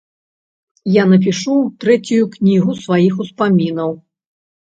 Я напішу трэцюю кнігу сваіх успамінаў.